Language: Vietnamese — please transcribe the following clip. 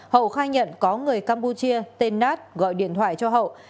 hậu khai nhận có người campuchia tên nat gọi điện thoại cho hậu